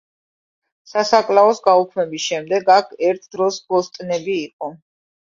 სასაკლაოს გაუქმების შემდეგ აქ ერთ დროს ბოსტნები იყო.